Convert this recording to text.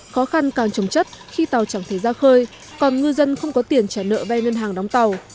khó khăn càng trống chất khi tàu chẳng thấy ra khơi còn ngư dân không có tiền trả nợ ve ngân hàng đóng tàu